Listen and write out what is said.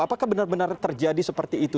apakah benar benar terjadi seperti itu